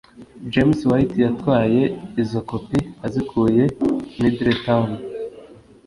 James White yatwaye izo kopi azikuye Middletown